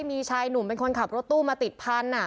มีชายหนุ่มเป็นคนขับรถตู้มาติดพันธุ